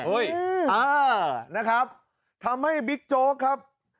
เออนะครับทำให้บิ๊กโจ๊กครับ